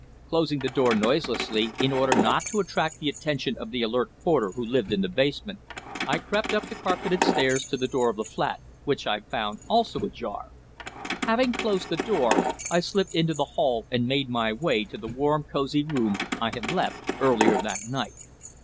Closing the door noiselessly, in order not to attract the attention of the alert porter who lived in the basement, I crept up the carpeted stairs to the door of the flat, which I found also ajar. Having closed the door, I slipped into the hall and made my way to the warm, cosy room I had left earlier that night.